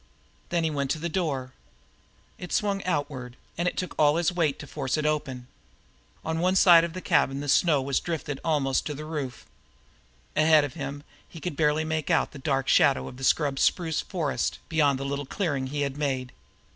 Then he went to the door. It swung outward, and it took all his weight to force it open. On one side of the cabin the snow was drifted almost to the roof. Ahead of him he could barely make out the dark shadow of the scrub spruce forest beyond the little clearing he had made.